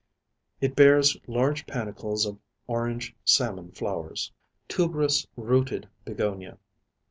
It bears large panicles of orange salmon flowers. TUBEROUS ROOTED BEGONIA.